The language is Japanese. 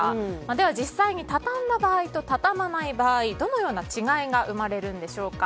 では実際に畳んだ場合と畳まない場合どのような違いが生まれるんでしょうか。